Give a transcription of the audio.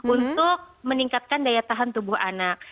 untuk meningkatkan daya tahan tubuh anak